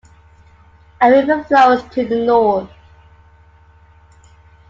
A river flows to the north.